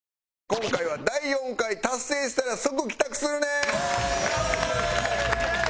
今回は第４回達成したら即帰宅するねん！